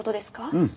うん？